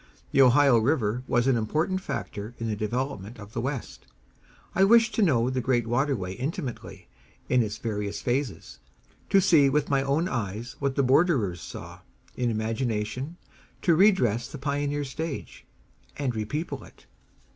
The Ohio River was an important factor in the development of the West. I wished to know the great waterway intimately in its various phases, to see with my own eyes what the borderers saw; in imagination, to redress the pioneer stage, and repeople it.